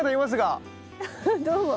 どうも。